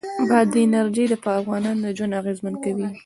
بادي انرژي د افغانانو ژوند اغېزمن کوي.